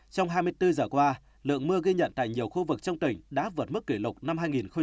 trong hai mươi bốn giờ qua lượng mưa gây nhận tại nhiều khu vực trong tỉnh đã vượt mức kỷ lục năm hai nghìn chín